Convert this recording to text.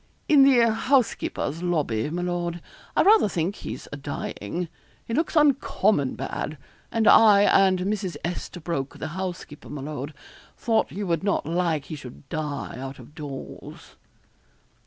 'In the housekeeper's lobby, my lord. I rather think he's a dying. He looks uncommon bad, and I and Mrs. Esterbroke, the housekeeper, my lord, thought you would not like he should die out of doors.'